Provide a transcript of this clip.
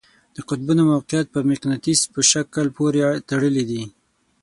د قطبونو موقیعت په مقناطیس په شکل پورې تړلی دی.